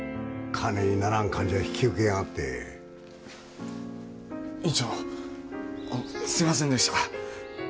・金にならん患者引き受けやがって医院長すいませんでした